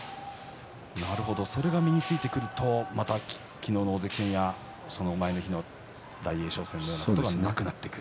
それが身についてくるとまた昨日の大関戦やその前の日の大栄翔戦みたいなことはなくなってくる。